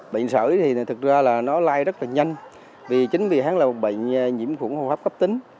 bệnh sởi thì thật ra là nó lai rất là nhanh vì chính vì hắn là một bệnh nhiễm khủng hồ hấp cấp tính